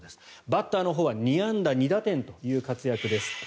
バッターのほうは２安打２打点という活躍です。